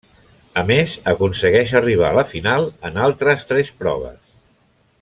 A més, aconsegueix arribar a la final en altres tres proves.